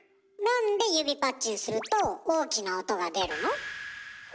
なんで指パッチンすると大きな音が出るの？